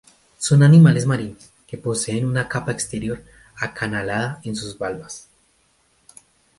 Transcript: Son animales marinos, que poseen una capa exterior acanalada en sus valvas.